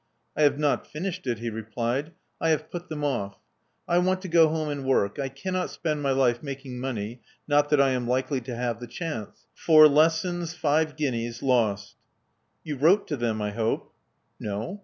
"I have not finished it," he replied: I have put them off. I want to go home and work : I cannot spend my life making money — not that I am likely to have the chance. Four lessons — five guineas — lost." *'You wrote to them, I hope." •*No.